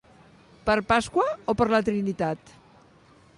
Per Pasqua o per la Trinitat.